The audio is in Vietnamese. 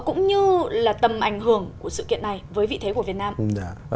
cũng như là tầm ảnh hưởng của sự kiện này với vị thế của việt nam